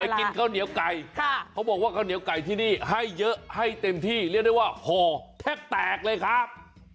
กินข้าวเหนียวไก่เขาบอกว่าข้าวเหนียวไก่ที่นี่ให้เยอะให้เต็มที่เรียกได้ว่าห่อแทบแตกเลยครับ